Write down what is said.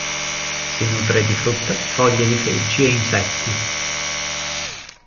Si nutre di frutta, foglie di felci e insetti.